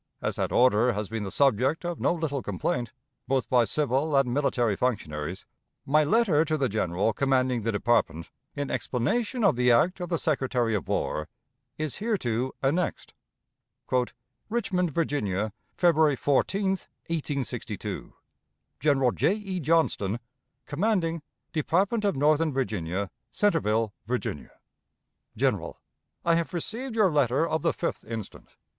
As that order has been the subject of no little complaint, both by civil and military functionaries, my letter to the General commanding the department, in explanation of the act of the Secretary of War, is hereto annexed: "Richmond, Virginia, February 14, 1862. "General J. E. Johnston, commanding Department of Northern Virginia, Centreville, Virginia. "General: I have received your letter of the 5th instant.